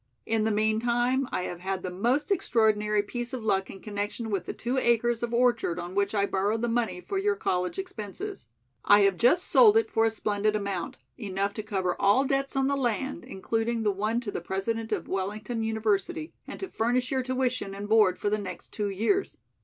In the meantime, I have had the most extraordinary piece of luck in connection with the two acres of orchard on which I borrowed the money for your college expenses. I have just sold it for a splendid amount enough to cover all debts on the land, including the one to the President of Wellington University, and to furnish your tuition and board for the next two years.